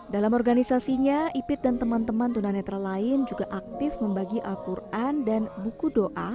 dalam organisasinya ipid dan teman teman tunanetra lain juga aktif membagi al quran dan buku doa